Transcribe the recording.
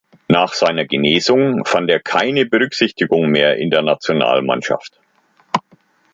Nach seiner Genesung fand er keine Berücksichtigung mehr in der Nationalmannschaft.